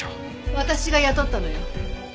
私が雇ったのよ。